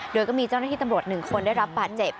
โดยก็มีเจ้าหน้าที่ตำรวจ๑คนได้รับบาดเจ็บ